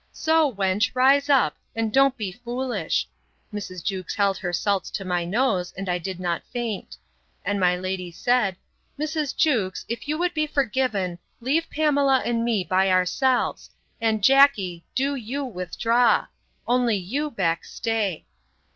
So, wench, rise up, and don't be foolish. Mrs. Jewkes held her salts to my nose, and I did not faint. And my lady said, Mrs. Jewkes, if you would be forgiven, leave Pamela and me by ourselves; and, Jackey, do you withdraw; only you, Beck, stay.